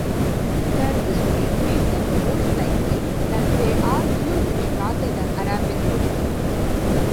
Their history makes it most likely that they are Jewish rather than Arabic Muslim.